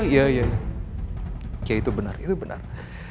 iya iya itu benar itu benar